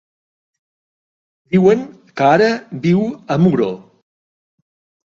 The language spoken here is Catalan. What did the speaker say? Diuen que ara viu a Muro.